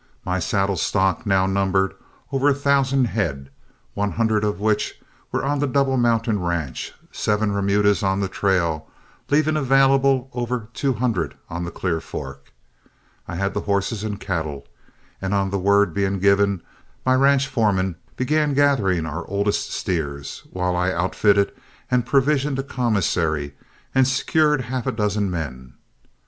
My saddle stock now numbered over a thousand head, one hundred of which were on the Double Mountain ranch, seven remudas on the trail, leaving available over two hundred on the Clear Fork. I had the horses and cattle, and on the word being given my ranch foreman began gathering our oldest steers, while I outfitted and provisioned a commissary and secured half a dozen men.